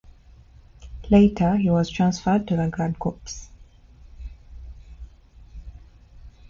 Later he was transferred to the Guard Corps.